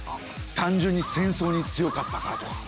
単純に戦争に強かったからとか。